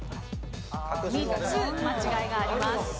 ３つ間違いがあります。